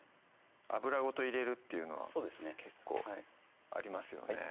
油ごと入れるっていうのは結構ありますよね